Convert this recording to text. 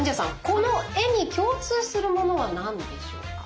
この絵に共通するものは何でしょうか？